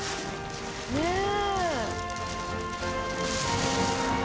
ねえ！